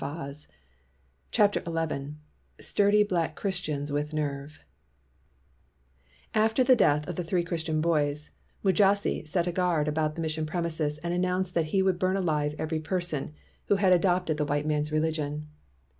218 CHAPTER XI STURDY BLACK CHRISTIANS WITH NERVE A FTER the death of the three Christian ■£* boys, Mujasi set a guard about the mission premises and announced that he would burn alive every person who had adopted the white man's religion.